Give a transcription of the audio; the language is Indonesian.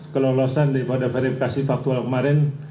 kelolosan daripada verifikasi faktual kemarin